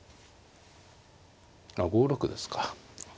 あっ５六ですか。